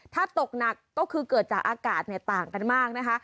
ถ้าตกหนักก็คือเกิดจากอากาศต่างกันมากนะคะ